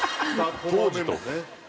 当時と。